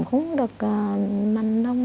không được manh nông